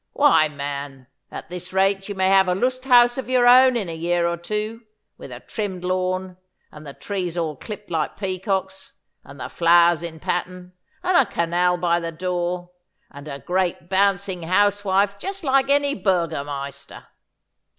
Why, man, at this rate you may have a lust haus of your own in a year or two, with a trimmed lawn, and the trees all clipped like peacocks, and the flowers in pattern, and a canal by the door, and a great bouncing house wife just like any Burgomeister.